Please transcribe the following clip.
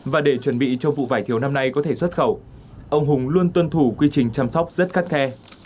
và để chuẩn bị cho vụ vải thiều năm nay có thể xuất khẩu ông hùng luôn tuân thủ quy trình chăm sóc rất khắt khe